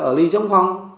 ở lì trong phòng